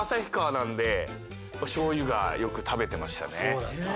そうなんだ。